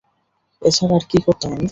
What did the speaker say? এছাড়া আর কী করতাম আমি?